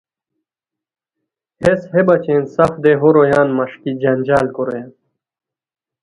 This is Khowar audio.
ہیس ہے بچین سف دیہو رویان مݰکی جنجال کورویان